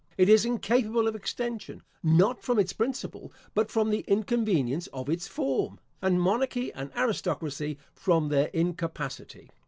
It is incapable of extension, not from its principle, but from the inconvenience of its form; and monarchy and aristocracy, from their incapacity.